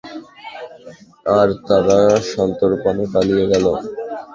আর তারা সন্তর্পণে পালিয়ে গেল।